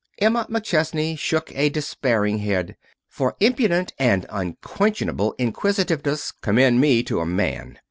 Emma McChesney shook a despairing head. "For impudent and unquenchable inquisitiveness commend me to a man!